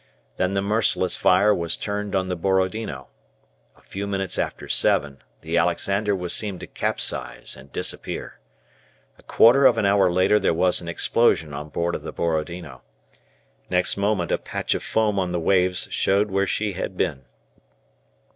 Then the merciless fire was turned on the "Borodino." A few minutes after seven the "Alexander" was seen to capsize and disappear. A quarter of an hour later there was an explosion on board of the "Borodino." Next moment a patch of foam on the waves showed where she had been.